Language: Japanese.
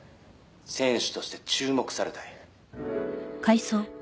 「選手として注目されたい」